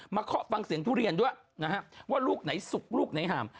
เคาะฟังเสียงทุเรียนด้วยนะฮะว่าลูกไหนสุกลูกไหนห่าม